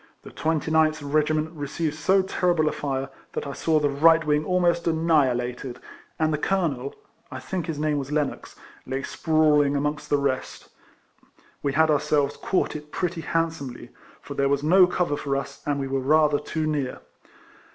The 29th regiment received so terrible a fire, that I saw the right wing almost annihi lated, and the colonel (I think his name was Lennox) lay sprawling amongst the rest. We had ourselves caught it pretty hand somely ; for there was no cover for us, and we were rather too near.